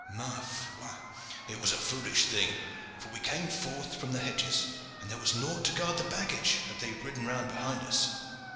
Ma foi! it was a foolish thing, for we came forth from the hedges, and there was naught to guard the baggage had they ridden round behind us.